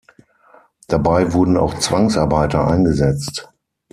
Dabei wurden auch Zwangsarbeiter eingesetzt.